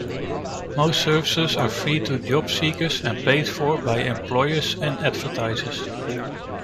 Most services are free to job seekers and paid for by employers and advertisers.